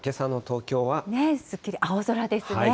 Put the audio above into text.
すっきり、青空ですね。